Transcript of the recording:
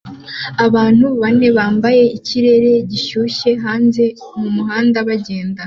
Abantu bane bambaye ikirere gishyushye hanze mumuhanda bagenda